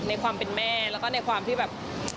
ในความเป็นแม่แล้วก็ในความที่แบบ